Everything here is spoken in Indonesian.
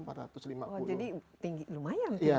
jadi tinggi lumayan tinggi ya